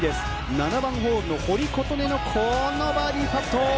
７番ホールの堀琴音のこのバーディーパット。